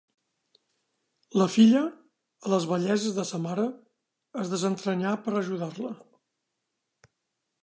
La filla, a les velleses de sa mare, es desentranyà per ajudar-la.